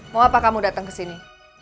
mau apa kamu dateng kesini